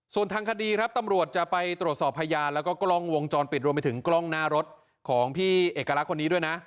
ส่วนทางคดีครับตำรวจจะไปตรวจสอบพยานแล้วก็กล้องวงจรปิดรวมไปถึงกล้องหน้ารถของพี่เอกลักษณ์คนนี้ด้วยนะ